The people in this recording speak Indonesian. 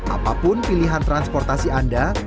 apapun pilihan transportasi anda